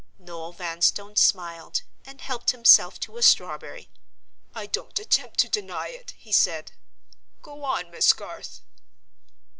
Noel Vanstone smiled, and helped himself to a strawberry. "I don't attempt to deny it," he said. "Go on, Miss Garth."